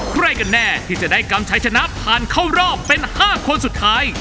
ใครกันแน่ที่จะได้กำชัยชนะผ่านเข้ารอบเป็น๕คนสุดท้าย